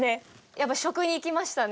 やっぱり食にいきましたね。